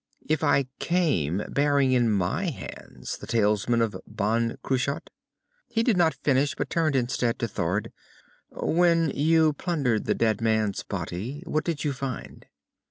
If I came, bearing in my hands the talisman of Ban Cruach...." He did not finish, but turned instead to Thord. "When you plundered the dead man's body, what did you find?"